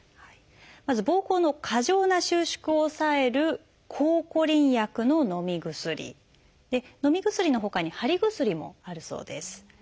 まずぼうこうの過剰な収縮を抑える抗コリン薬ののみ薬。のみ薬のほかに貼り薬もあるそうです。